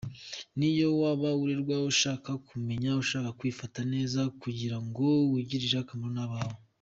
Niyo waba urerwa, ushaka kumenya, ushaka kwifata neza kugira ngo wigirire akamaro n’abawe.